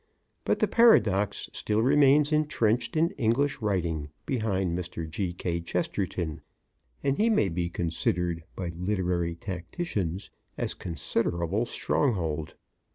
But the paradox still remains intrenched in English writing behind Mr. G.K. Chesterton, and he may be considered, by literary tacticians, as considerable stronghold.